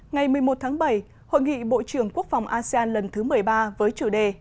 ngày một mươi một tháng bảy hội nghị bộ trưởng quốc phòng asean lần thứ một mươi ba với chủ đề